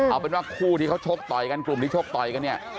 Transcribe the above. เอาเป็นว่าคู่ที่เขาชกต่อยกันกลุ่มที่ชกต่อยกันเนี่ย